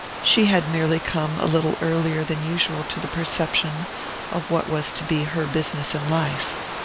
She had merely come a little earlier than usual to the perception of what was to be her business in life.